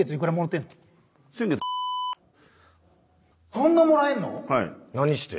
そんなもらえんの⁉何して？